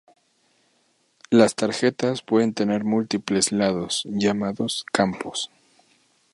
Las tarjetas pueden tener múltiples "lados", llamados campos.